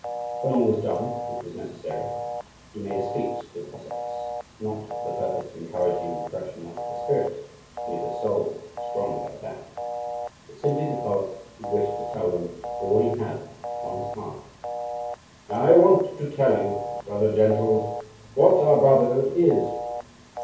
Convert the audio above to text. When all was done which was necessary, he made a speech to the Cossacks, not for the purpose of encouraging and freshening up their spirits he knew their souls were strong without that but simply because he wished to tell them all he had upon his heart. "I want to tell you, brother gentles, what our brotherhood is.